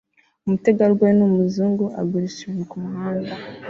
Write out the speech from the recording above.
Umutegarugori ni umuzungu agurisha ibintu kumuhanda